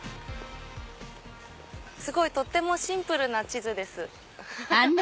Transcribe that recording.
すごいとってもシンプルな地図です。